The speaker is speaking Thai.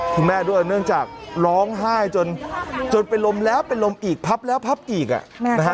คุณแม่ด้วยเนื่องจากร้องไห้จนจนเป็นลมแล้วเป็นลมอีกพับแล้วพับอีกอ่ะนะฮะ